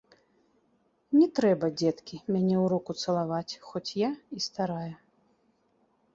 Не трэба, дзеткі, мяне ў руку цалаваць, хоць я і старая.